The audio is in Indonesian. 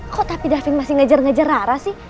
kok tapi daving masih ngejar ngejar rara sih